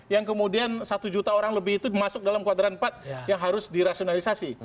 yang kemudian satu juta orang lebih itu masuk dalam kuadran empat yang harus dirasionalisasi